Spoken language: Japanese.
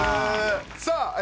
さあ